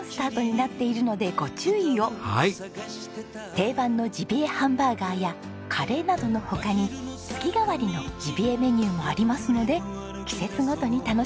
定番のジビエハンバーガーやカレーなどの他に月替わりのジビエメニューもありますので季節ごとに楽しめます。